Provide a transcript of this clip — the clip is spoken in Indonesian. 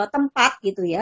tempat gitu ya